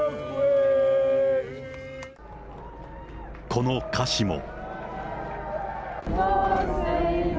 この歌詞も。